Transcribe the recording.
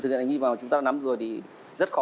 thực hiện hành vi vào chúng ta nắm rồi thì rất khó